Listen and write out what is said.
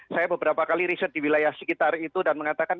saya beberapa kali riset di wilayah sekitar itu dan mengatakan